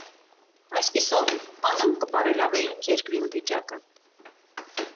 Այսպիսով, անոնք կը բարելաւէին երկրին վիճակը։